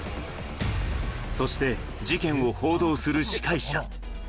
そして、事件を報道する司会者。